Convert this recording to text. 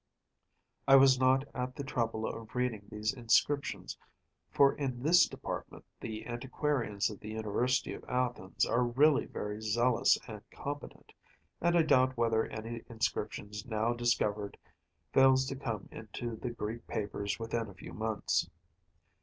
I was not at the trouble of reading these inscriptions, for in this department the antiquarians of the University of Athens are really very zealous and competent, and I doubt whether any inscription now discovered fails to come into the Greek papers within a few months.